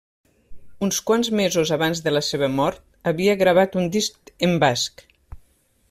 Uns quants mesos abans de la seva mort, havia gravat un disc en basc.